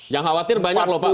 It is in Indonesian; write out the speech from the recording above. yang khawatir banyak loh pak